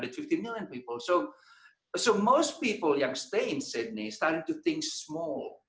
jadi kebanyakan orang yang tinggal di sydney mulai berpikir kecil